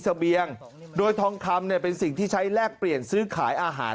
เสบียงโดยทองคำเนี่ยเป็นสิ่งที่ใช้แลกเปลี่ยนซื้อขายอาหาร